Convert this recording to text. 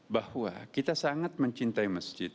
bahwa kita sangat mencintai masjid